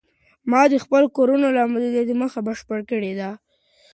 ما خپل د کور کار لا د مخه بشپړ کړی دی.